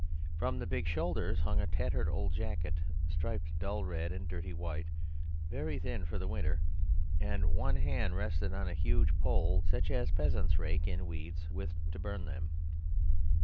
From the big shoulders hung a tattered old jacket, striped dull red and dirty white, very thin for the winter, and one hand rested on a huge pole such as peasants rake in weeds with to burn them.